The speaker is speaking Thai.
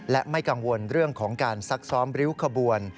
และไม่กังวลเรื่องของการซักซ้อมริ้วขบวน